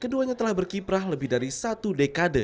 keduanya telah berkiprah lebih dari satu dekade